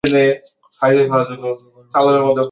কখন মারা গেলো?